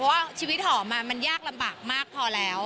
ว่าชีวิตหอมมันยากลำบากมากพอแล้ว